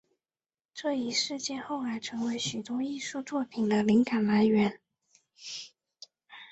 这一事件后来成为许多艺术作品的灵感来源。